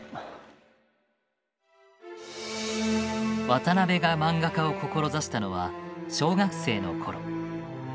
渡辺がマンガ家を志したのは小学生の頃。